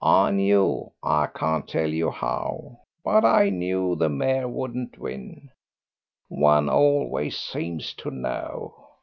I knew, I can't tell you how, but I knew the mare wouldn't win. One always seems to know.